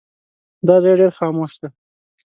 دا ځای ډېر خاموش دی.